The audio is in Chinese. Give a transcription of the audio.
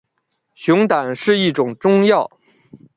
熊胆是一种中药。